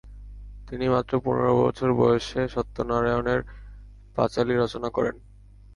তিনি মাত্র পনেরো বছর বয়সে সত্যনারায়ণের পাঁচালী রচনা করেন।